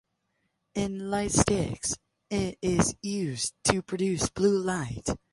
In lightsticks it is used to produce blue light.